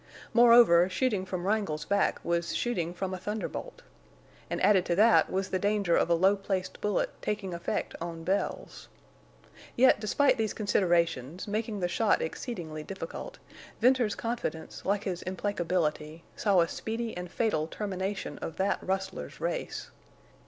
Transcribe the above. Moreover, shooting from Wrangle's back was shooting from a thunderbolt. And added to that was the danger of a low placed bullet taking effect on Bells. Yet, despite these considerations, making the shot exceedingly difficult, Venters's confidence, like his implacability, saw a speedy and fatal termination of that rustler's race.